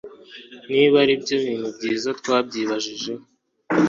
niba aribyo byari ibintu byiza twabyibajijeho